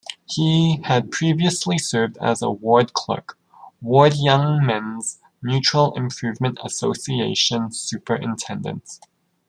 He had previously served as ward clerk, ward Young Men's Mutual Improvement Association superintendent.